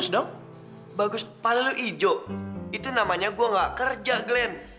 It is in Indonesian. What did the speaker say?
terus pala lu hijau itu namanya gua gak kerja glenn